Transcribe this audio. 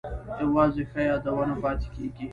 یوازې ښه یادونه پاتې کیږي؟